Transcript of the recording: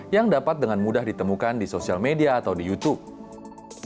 yang dapat dengan mudah ditemukan di sosial media atau di youtube